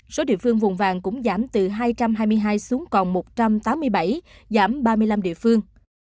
số địa phương vùng vàng cũng giảm từ hai trăm hai mươi hai xuống còn một trăm tám mươi bảy giảm ba mươi năm địa phương